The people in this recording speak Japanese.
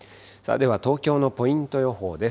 では東京のポイント予報です。